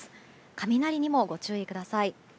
雷にもご注意ください。